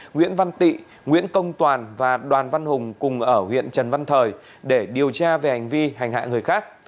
nguyễn văn tị nguyễn công toàn và đoàn văn hùng cùng ở huyện trần văn thời để điều tra về hành vi hành hạ người khác